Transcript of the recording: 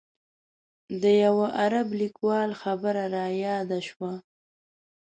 د یوه عرب لیکوال خبره رایاده شوه.